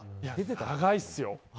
長いですよ。